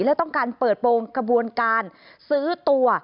และต้องการเปิดโปรงกระบวนการซื้อตัว